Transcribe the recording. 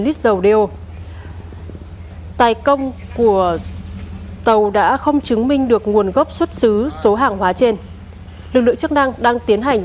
lực lượng chức năng đang tiến hành